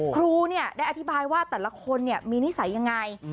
ครูเนี่ยได้อธิบายว่าแต่ละคนเนี่ยมีนิสัยยังไง